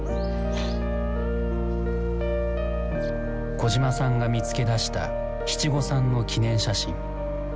小島さんが見つけ出した七五三の記念写真。